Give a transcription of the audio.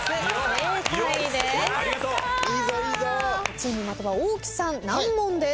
チーム的場大木さん難問です。